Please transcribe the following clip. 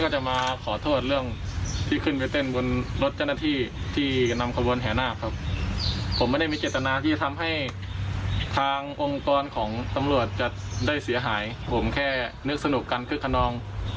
จะทำให้กลางองค์กรของตำรวจจะได้เสียหายผมแค่นึกสนุกกันเครือคะนอง